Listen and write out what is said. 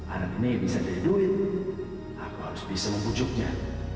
anak ini bisa jadi duit aku harus bisa membujuknya